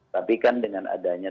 tapi kan dengan adanya